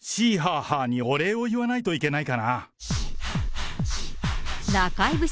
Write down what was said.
ハー！にお礼を言わないといけないかなあー。